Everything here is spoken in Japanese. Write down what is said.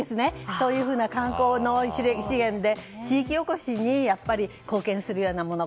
そういう観光の資源で地域おこしに貢献するようなもの。